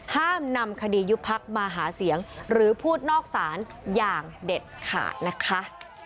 ห้ามนำคดียุบพักมาหาเสียงหรือพูดนอกศาลอย่างเด็ดขาดนะคะ